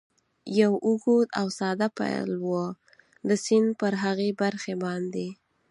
یو اوږد او ساده پل و، د سیند پر هغې برخې باندې.